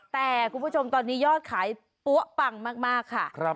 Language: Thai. แต่คุณผู้ชมตอนนี้ยอดขายปั๊วปังมากค่ะ